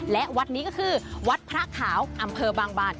และวัดนี้ก็คือวัดพระขาวอำเภอบางบาน